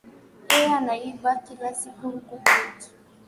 Yeye anaiba kila siku huku kwetu